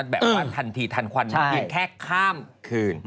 แบบว่าทันทีพีมแค่ข้ามคืนใช่